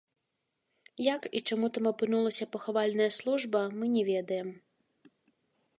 Як і чаму там апынулася пахавальная служба, мы не ведаем.